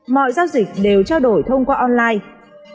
mọi giao dịch đều trao đổi thông qua online